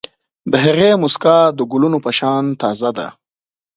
د هغې موسکا د ګلونو په شان تازه ده.